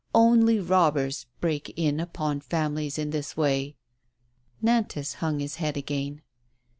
Only robbers break in upon fam ilies in this way." Nantas hung his head again.